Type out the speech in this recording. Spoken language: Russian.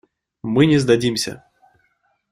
Мы не сдадимся.